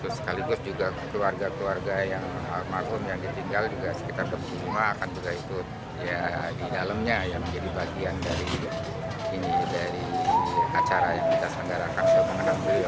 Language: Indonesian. terus sekaligus juga keluarga keluarga yang malum yang ditinggal juga sekitar berpengguna akan juga ikut di dalamnya yang menjadi bagian dari acara jumat nenggara kampung